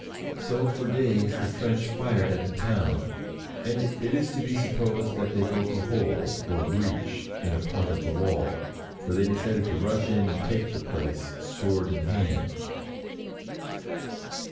So for days the French fired at the town, and it is to be supposed that they broke a hole, or breach, in a part of the wall, for they decided to rush in and take the place sword in hand.